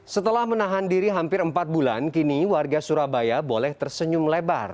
setelah menahan diri hampir empat bulan kini warga surabaya boleh tersenyum lebar